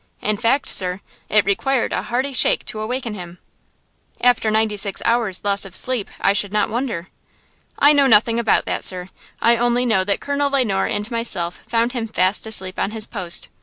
In fact, sir, it required a hearty shake to awaken him." "After ninety six hours' loss of sleep, I should not wonder." "I know nothing about that, sir. I only know that Colonel Le Noir and myself found him fast asleep on his post.